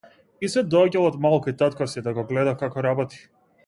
Изет доаѓал од мал кај татко си, да го гледа како работи.